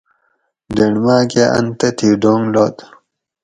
ڈینڑ ماۤکہۤ اۤن تتھیں ڈونگ لد